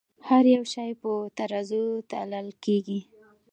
هر يو شے پۀ ترازو تللے کيږې